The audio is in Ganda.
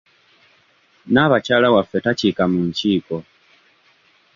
Naabakyala waffe takiika mu nkiiko.